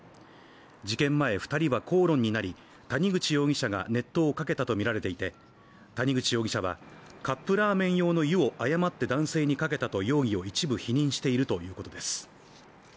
事件前２人は口論になり、谷口容疑者が熱湯をかけたとみられていて、谷口容疑者は、カップラーメン用の湯を誤って男性にかけたと容疑を一部否認しているということです。